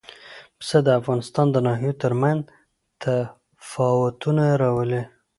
پسه د افغانستان د ناحیو ترمنځ تفاوتونه راولي.